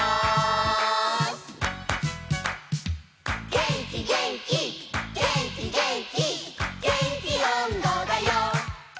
「げんきげんきげんきげんき」「げんきおんどだよ」